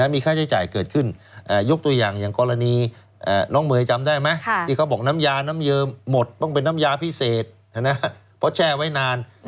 มีค่าใช้จ่ายเกิดขึ้นยกตัวอย่างอย่างกรณีน้องเมย์จำได้ไหมที่เขาบอกน้ำยาน้ำเยิมหมดต้องเป็นน้ำยาพิเศษเพราะแช่ไว้นาน